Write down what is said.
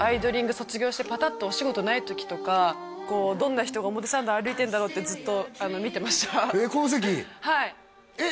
卒業してパタッとお仕事ないときとかどんな人が表参道歩いてんだろうってずっと見てましたえっ